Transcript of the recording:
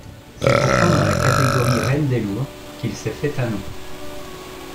C'est pourtant dans la catégorie reine des lourds qu'il s'est fait un nom.